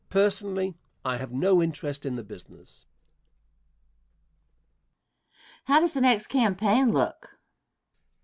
Personally I have no interest in the business. Question. How does the next campaign look?